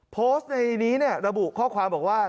โพสต์ในนี้ระบุข้อความบอกว่า